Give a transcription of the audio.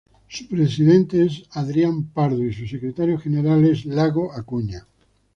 Su presidente es Adrián Pardo y su secretario general es Iago Acuña.